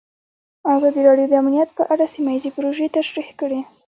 ازادي راډیو د امنیت په اړه سیمه ییزې پروژې تشریح کړې.